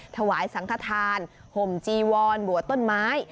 ถวายสังธภาณฐ์ห่มจีวอนบัวต้นไม้